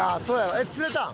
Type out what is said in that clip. えっ釣れたん？